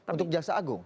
untuk jaksa agung